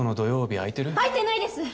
空いてないです！